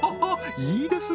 いいですね